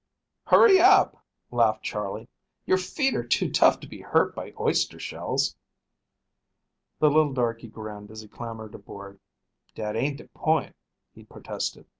"Hurry up," laughed Charley, "your feet are too tough to be hurt by oyster shells." The little darkey grinned as he clambered aboard. "Dat ain't de point," he protested.